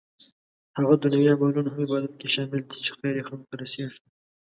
هغه دنيوي عملونه هم عبادت کې شامل دي چې خير يې خلکو ته رسيږي